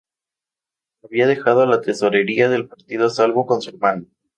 Había dejado la tesorería del partido a salvo con su hermano.